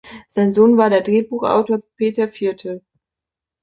Sein Sohn war der Drehbuchautor Peter Viertel.